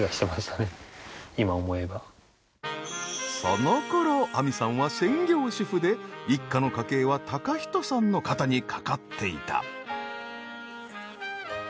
その頃亜美さんは専業主婦で一家の家計は貴仁さんの肩にかかっていた。